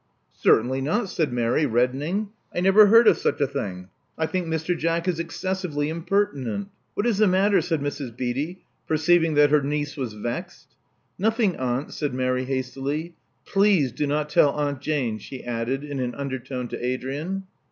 Certainly not," said Mary, reddening. ! never heard of such a thing. I think Mr. Jack is excessively impertinent." What is the matter?" said Mrs. Beatty, perceiving that her niece was vexed. Nothing, aunt," said Mary hastily. "Please do not tell Aunt Jane," she added in an undertone to Adrian.